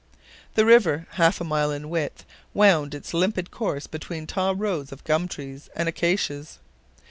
The river, half a mile in width, wound its limpid course between tall rows of gum trees and acacias.